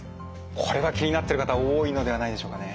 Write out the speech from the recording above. これは気になってる方多いのではないでしょうかね。